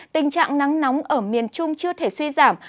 tình trạng nắng nóng ở miền trung chưa thể suy giảm